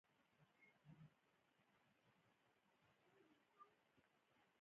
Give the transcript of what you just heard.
له اتو ساعتونو څخه یې څلور ساعته د ځان لپاره کول